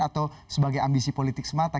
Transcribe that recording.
atau sebagai ambisi politik semata